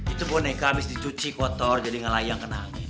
itu boneka abis dicuci kotor jadi ngelayang kenal